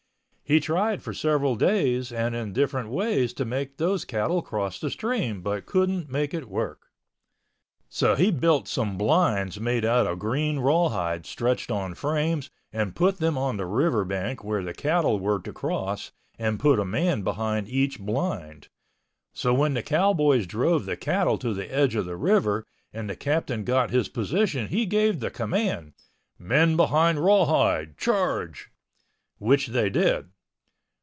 He tried for several days and in different ways to make those cattle cross the stream but couldn't make it work. So he built some blinds made out of green rawhide stretched on frames and put them on the river bank where the cattle were to cross and put a man behind each blind. So when the cowboys drove the cattle to the edge of the river and the captain got his position he gave the command, "Men behind rawhide—charge!" which they did.